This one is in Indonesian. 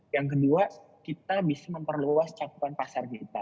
yang kedua kita bisa memperluas cakupan pasar kita